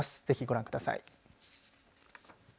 ぜひご覧ください。